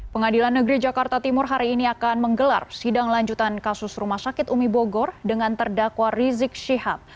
pengadilan negeri jakarta timur hari ini akan menggelar sidang lanjutan kasus rumah sakit umi bogor dengan terdakwa rizik syihab